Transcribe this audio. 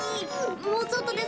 もうちょっとです。